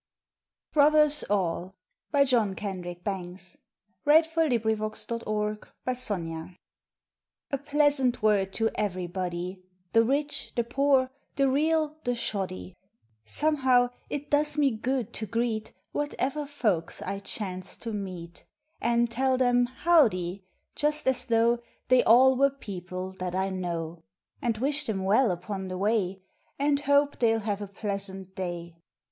ome my way In dead of night or light of day. August Fourth BROTHERS ALL A PLEASANT word to everybody ^ The rich, the poor, the real, the shoddy Somehow it does me good to greet Whatever folks I chance to meet. And tell em "howdy" just as though They all were people that I know; And wish em well upon the way, And hope they ll have a pleasant day.